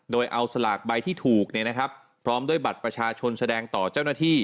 โดยเอาสลากใบที่ถูกพร้อมด้วยบัตรประชาชนแสดงต่อเจ้าหน้าที่